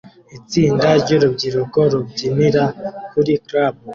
Itsinda ryurubyiruko rubyinira kuri club